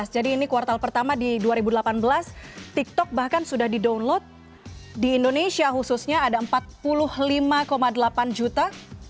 jadi ini kuartal pertama di dua ribu delapan belas tiktok bahkan sudah di download di indonesia khususnya ada empat puluh lima delapan juta